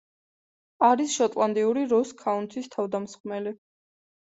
არის შოტლანდიური როს ქაუნთის თავდამსხმელი.